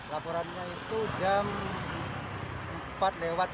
laporannya itu jam empat lewat tujuh belas